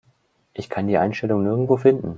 Ich kann die Einstellung nirgendwo finden.